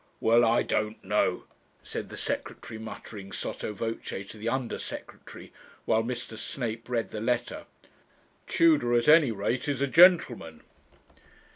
'Well, I don't know,' said the Secretary, muttering sotto voce to the Under Secretary, while Mr. Snape read the letter 'Tudor, at any rate, is a gentleman.'